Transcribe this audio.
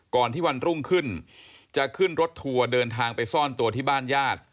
ก่อนที่วันรุ่งขึ้นจะขึ้นรถทัวร์เดินทางไปซ่อนตัวที่บ้านญาติ